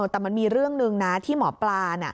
แต่มันมีเรื่องหนึ่งนะที่หมอปลาน่ะ